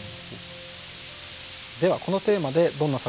ではこのテーマでどんな作品が生まれたのか。